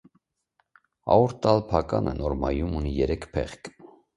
Աորտալ փականը նորմայում ունի երեք փեղկ։